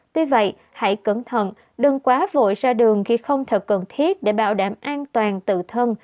tuy vậy hãy cẩn thận đừng quá vội ra đường khi không thật cần thiết để bảo đảm an toàn tự thân